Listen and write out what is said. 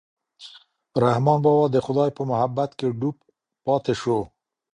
رحمان بابا د خدای په محبت کې ډوب پاتې شو.